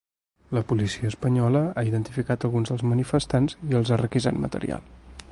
La policia espanyola ha identificat alguns dels manifestants i els ha requisat material.